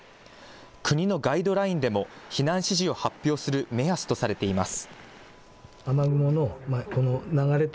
国のガイドラインでも避難指示を発表する目安とされています。